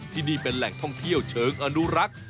ที่นี่เป็นแหล่งท่องเที่ยวเชิงอนุรักษ์